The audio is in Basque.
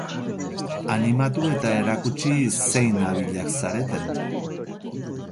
Animatu eta erakutsi zein abilak zareten.